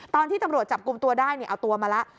ตอนที่ตำรวจจับกลุ่มตัวได้เอาตัวมาแล้ว